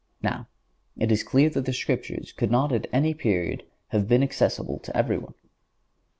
Now, it is clear that the Scriptures could not at any period have been accessible to everyone.